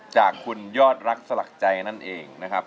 จากคุณยอดรักสลักใจนั่นเองนะครับ